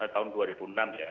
tahun dua ribu enam ya